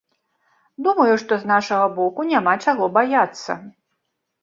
Думаю, што з нашага боку няма чаго баяцца.